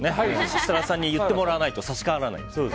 設楽さんに言ってもらわないと差し替わらないんです。